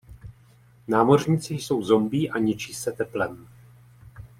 Námořníci jsou zombie a ničí se teplem.